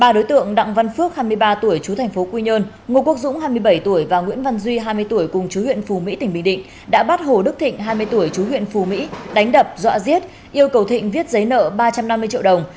ba đối tượng đặng văn phước hai mươi ba tuổi chú thành phố quy nhơn ngô quốc dũng hai mươi bảy tuổi và nguyễn văn duy hai mươi tuổi cùng chú huyện phù mỹ tỉnh bình định đã bắt hồ đức thịnh hai mươi tuổi chú huyện phù mỹ đánh đập dọa giết yêu cầu thịnh viết giấy nợ ba trăm năm mươi triệu đồng